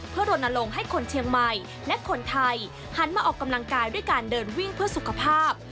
เพื่อรณรงค์ให้คนเชียงใหม่และคนไทยหันมาออกกำลังกายด้วยการเดินวิ่งเพื่อสุขภาพ